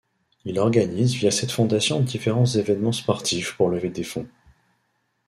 Il organise via cette fondation différents événements sportifs pour lever des fonds.